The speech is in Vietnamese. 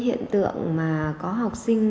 hiện tượng mà có học sinh